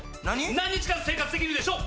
何日間生活できるでしょう？